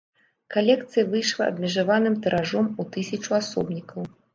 Калекцыя выйшла абмежаваным тыражом у тысячу асобнікаў.